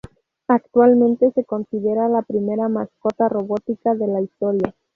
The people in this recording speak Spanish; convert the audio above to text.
Actualmente se considera la primera mascota robótica de la historia.